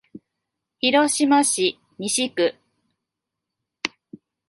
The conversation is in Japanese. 広島市西区